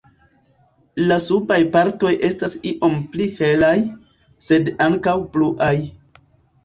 La subaj partoj estas iom pli helaj, sed ankaŭ bluaj.